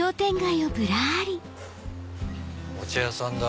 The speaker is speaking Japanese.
お茶屋さんだ！